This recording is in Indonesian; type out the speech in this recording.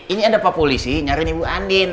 ini ada pak polisi nyariin ibu andin